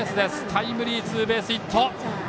タイムリーツーベースヒット。